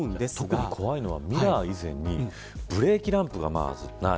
特に怖いのはミラー以前にブレーキランプがまずない。